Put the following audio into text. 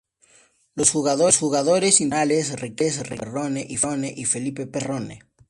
Los jugadores internacionales Ricardo Perrone y Felipe Perrone.